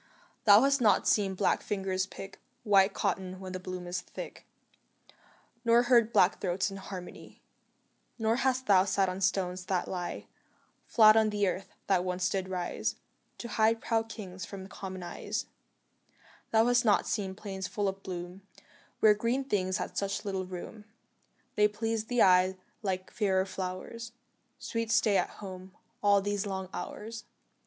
Thou hast not seen black fingers pick White cotton when the bloom is thick, Nor heard black throats in harmony; Nor hast thou sat on stones that lie Flat on the earth, that once did rise To hide proud kings from common eyes, Thou hast not seen plains full of bloom Where green things had such little room They pleased the eye like fairer flowers Sweet Stay at Home, all these long hours.